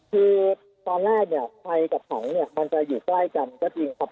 คือตอนแรกเนี่ยไฟกับถังเนี่ยมันจะอยู่ใกล้กันก็จริงครับ